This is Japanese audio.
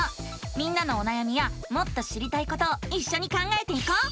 みんなのおなやみやもっと知りたいことをいっしょに考えていこう！